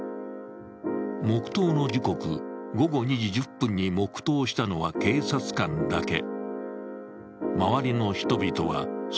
黙とうの時刻、午後２時１０分に黙とうしたのは警察官だけ。